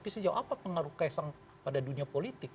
kenapa pengaruh kaisang pada dunia politik